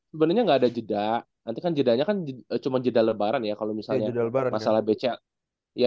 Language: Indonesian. sebenarnya nggak ada jeda nanti kan jedanya kan cuma jeda lebaran ya kalau misalnya masalah beca ya